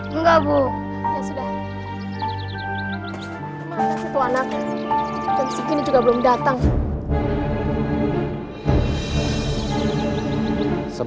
pergi maut aneh